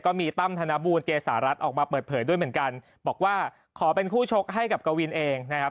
ก็มีตั้มธนบูลเกษารัฐออกมาเปิดเผยด้วยเหมือนกันบอกว่าขอเป็นคู่ชกให้กับกวินเองนะครับ